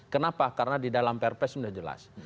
kenapa karena di dalam perpres sudah jelas